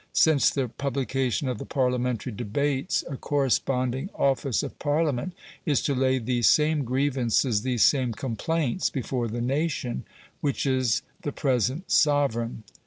Since the publication of the Parliamentary debates a corresponding office of Parliament is to lay these same grievances, these same complaints, before the nation, which is the present sovereign.